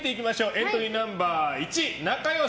エントリーナンバー１、なかよし。